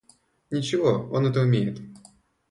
Ничего, он это умеет.